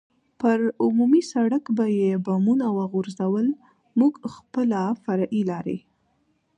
پر عمومي سړک به یې بمونه وغورځول، موږ خپله فرعي لارې.